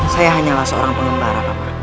saya hanyalah seorang pengembara